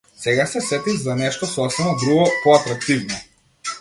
Сега се сетив за нешто сосема друго, поатрактивно.